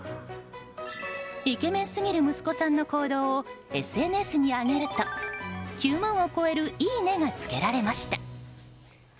イケメンすぎる息子さんの行動をＳＮＳに上げると９万を超えるいいねがつきました。